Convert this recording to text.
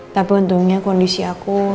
tapi untungnya kondisi aku